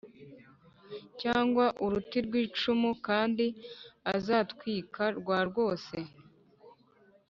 cyangwa uruti rw icumu Kandi azatwik rwa rwose